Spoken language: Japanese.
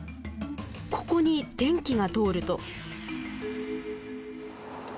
ここに電気が通ると。